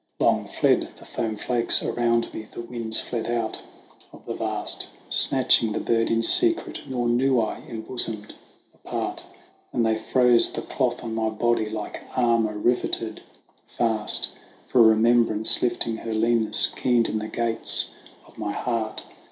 Long fled the foam flakes around me, the winds fled out of the vast, Snatching the bird in secret; nor knew I, embosomed apart, 140 THE WANDERINGS OF OISIN When they froze the cloth on my body like armour riveted fast, For Remembrance, lifting her leanness, keened in the gates of my heart.